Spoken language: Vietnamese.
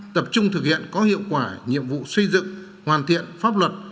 tập trung thực hiện có hiệu quả nhiệm vụ xây dựng hoàn thiện pháp luật